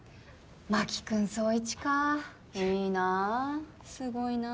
真木君捜一かいいなすごいな。